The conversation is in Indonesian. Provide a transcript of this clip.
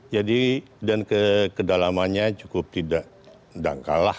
jadi dan kedalamannya cukup tidak dangkal lah